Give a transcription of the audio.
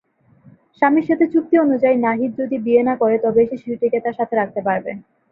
স্বামীর সাথে চুক্তি অনুযায়ী, নাহিদ যদি বিয়ে না করে তবেই সে শিশুটিকে তার সাথে রাখতে পারবে।